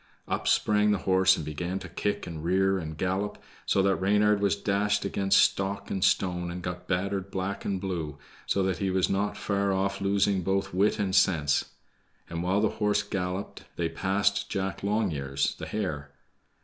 Up sprang the horse, and began to kick and rear and gallop, so that Reynard was dashed against stock and stone, and got battered black and blue, so that he was not far off losing both wit and sense. And while the horse galloped, they passed Jack Longears, the hare.